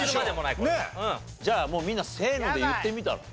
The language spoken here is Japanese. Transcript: じゃあもうみんなせーので言ってみたら？